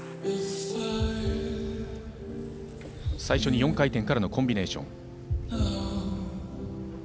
最初に４回転からのコンビネーション。